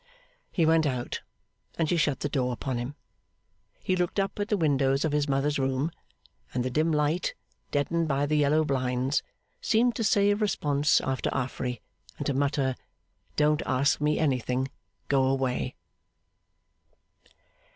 He went out, and she shut the door upon him. He looked up at the windows of his mother's room, and the dim light, deadened by the yellow blinds, seemed to say a response after Affery, and to mutter, 'Don't ask me anything. Go away!